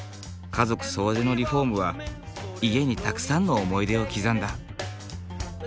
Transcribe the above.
家族総出のリフォームは家にたくさんの思い出を刻んだ。